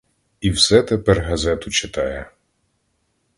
І все тепер газету читає!